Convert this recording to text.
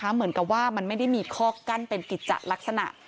เหมือนกับว่ามันไม่ได้มีข้อกั้นเป็นกิจจัดลักษณะ